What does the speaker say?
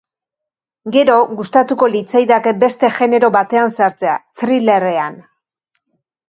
Gero, gustatuko litzaidake beste genero batean sartzea, thrillerrean.